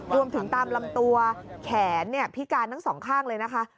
รวมถึงตามลำตัวแขนพิการทั้งสองข้างเลยนะคะ